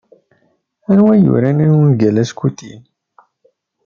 Anwa i yuran ungal Askuti?